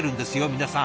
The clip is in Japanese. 皆さん。